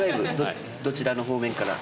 どちらの方面から？